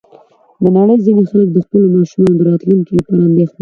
د نړۍ ځینې خلک د خپلو ماشومانو د راتلونکي لپاره اندېښمن دي.